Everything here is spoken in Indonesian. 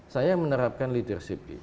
saya menerapkan leadership